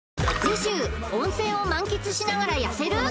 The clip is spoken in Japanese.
次週温泉を満喫しながら痩せる？